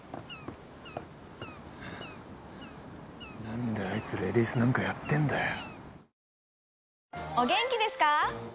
何であいつレディースなんかやってんだよ。